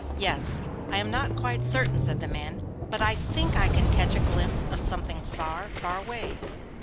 'Yes; I am not quite certain,' said the man, 'but I think I can catch a glimpse of something far, far away.